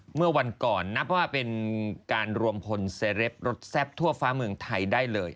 เมื่อวันก่อนนับว่าเป็นการรวมพลเซเรปรสแซ่บทั่วฟ้าเมืองไทยได้เลย